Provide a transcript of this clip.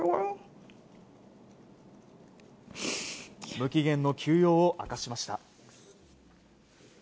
無期限の休養を明かしました。